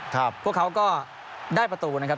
พวกเขาก็ได้ประตูนะครับ